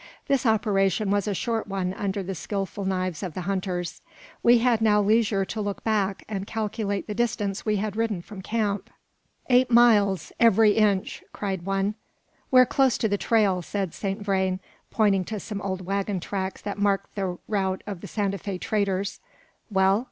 This operation was a short one under the skilful knives of the hunters. We had now leisure to look back, and calculate the distance we had ridden from camp. "Eight miles, every inch!" cried one. "We're close to the trail," said Saint Vrain, pointing to some old waggon tracks that marked the route of the Santa Fe traders. "Well?"